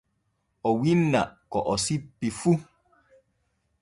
O winna ko o sippi fu.